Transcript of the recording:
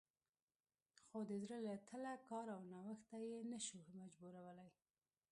خو د زړه له تله کار او نوښت ته یې نه شو مجبورولی